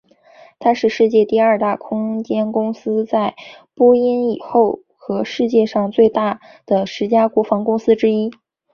它是世界第二大空间公司在波音以后和世界上最大的十家国防公司之一。